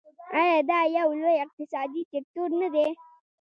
آیا دا یو لوی اقتصادي سکتور نه دی؟